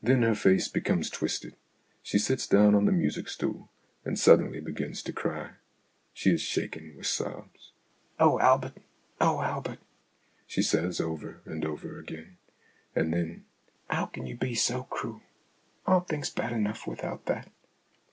Then her face becomes twisted, she sits down on the music stool, and suddenly begins to cry. She is shaken with sobs. "Oh, Albert! Oh, Albert !" she says, over and over again, and then :" How can you be so cruel ? Aren't things bad enough without that